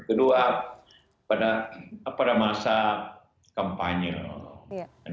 kedua pada masa kampanye